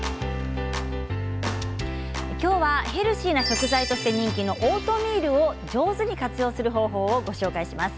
今日はヘルシーな食材として人気のオートミールを上手に活用する方法をご紹介します。